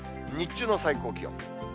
日中の最高気温。